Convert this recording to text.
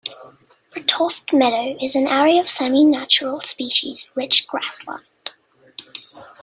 Bratoft Meadow is an area of semi-natural species rich grassland.